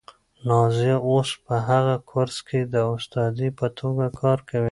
نازیه اوس په هغه کورس کې د استادې په توګه کار کوي.